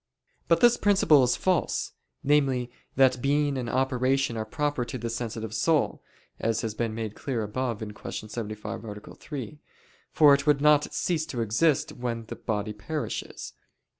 But this principle is false namely, that being and operation are proper to the sensitive soul, as has been made clear above (Q. 75, A. 3): for it would not cease to exist when the body perishes.